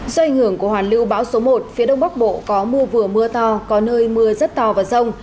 do ảnh hưởng của hoàn lưu bão số một phía đông bắc bộ có mưa vừa mưa to có nơi mưa rất to và rông